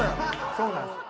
そうなんですよ。